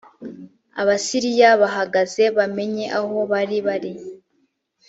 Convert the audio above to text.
abasiriya bahageze bamenye aho bari bari